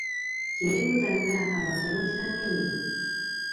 kiimutan gaa awatoroch kamenyin